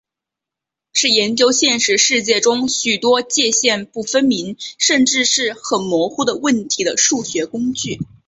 是研究现实世界中许多界限不分明甚至是很模糊的问题的数学工具。